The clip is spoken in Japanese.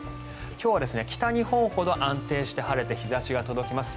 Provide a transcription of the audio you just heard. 今日は北日本ほど安定して晴れて日差しが届きます。